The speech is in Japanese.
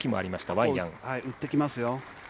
ワン打ってきますよ。